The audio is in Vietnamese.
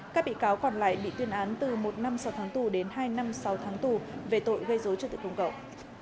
các bị cáo còn lại bị tuyên án từ một năm sáu tháng tù đến hai năm sáu tháng tù về tội gây dối trật tự công cộng